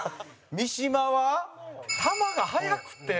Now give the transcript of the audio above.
三島：球が速くて。